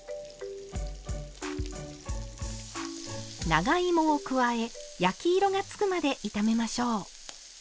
長芋を加え焼き色が付くまで炒めましょう。